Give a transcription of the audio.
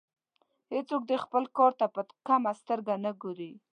هیڅوک دې خپل کار ته په کمه سترګه نه ګوري.